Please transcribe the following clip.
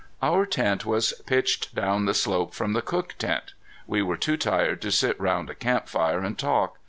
Our tent was pitched down the slope from the cook tent. We were too tired to sit round a camp fire and talk.